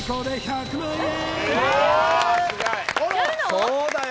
そうだよ